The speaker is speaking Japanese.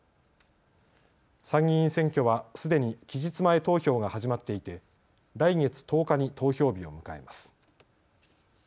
参議院選挙はすでに期日前投票が始まっていて来月１０日に投票日を迎えます。